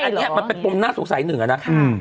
อันเนี้ยมันเป็นปรุงหน้าสงสัยหนึ่งอ่ะนะ